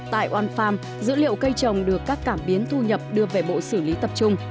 tại onefarm dữ liệu cây trồng được các cảm biến thu nhập đưa về bộ xử lý tập trung